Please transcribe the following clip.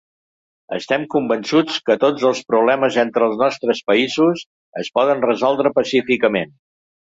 Estem convençuts que tots els problemes entre els nostres països es poden resoldre pacíficament.